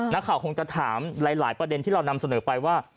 คงจะถามหลายประเด็นที่เรานำเสนอไปว่า